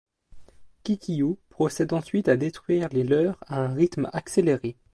Kikyō procède ensuite à détruire les leurres à un rythme accéléré.